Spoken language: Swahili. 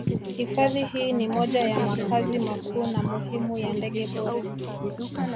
Hifadhi hii ni moja ya makazi makuu na muhimu ya ndege pori